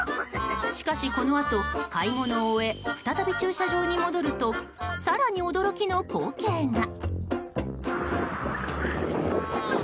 しかし、このあと買い物を終え再び駐車場に戻ると更に驚きの光景が。